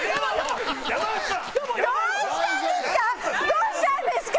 どうしたんですか？